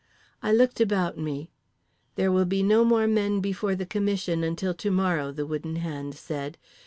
I looked about me. "There will be no more men before the commission until to morrow," the Wooden Hand said.